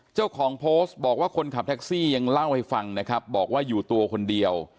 เจ้าของโพสต์บอกว่าคนขับแท็กซี่ยังเล่าให้ฟังนะครับบอกว่าอยู่ตัวคนเดียว